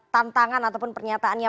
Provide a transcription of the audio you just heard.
tantangan ataupun pernyataannya